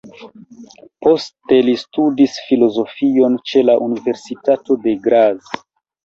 Poste li studis filozofion ĉe la Universitato de Graz.